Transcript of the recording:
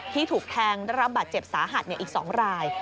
ถูกแทงได้รับบาดเจ็บสาหัสอีก๒ราย